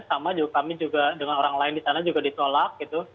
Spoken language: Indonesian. sama juga kami juga dengan orang lain di sana juga ditolak gitu